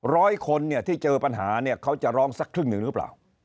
ร้อยคนเนี่ยที่เจอปัญหาเนี่ยเขาจะร้องสักครึ่งหนึ่งหรือเปล่า